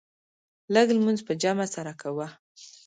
لږ لمونځ په جمع سره کوه.